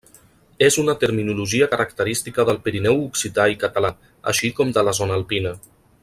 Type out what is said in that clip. És una terminologia característica del Pirineu occità i català, així com de la zona alpina.